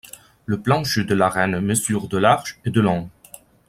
Le plancher de l'arène mesure de large et de long.